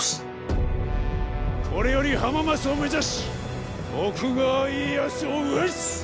これより浜松を目指し徳川家康を討つ！